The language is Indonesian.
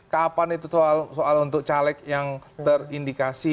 kapan itu soal untuk caleg yang terindikasi